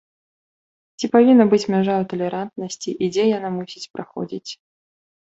Ці павінна быць мяжа ў талерантнасці і дзе яна мусіць праходзіць?